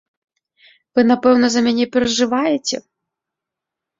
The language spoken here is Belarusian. Вы напэўна за мяне перажываеце?